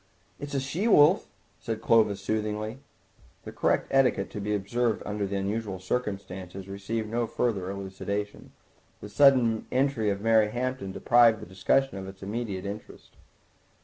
"It's a she wolf," said Clovis soothingly. The correct etiquette to be observed under the unusual circumstances received no further elucidation. The sudden entry of Mary Hampton deprived the discussion of its immediate interest.